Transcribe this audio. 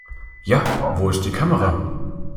Ja, wo ist die Kamera?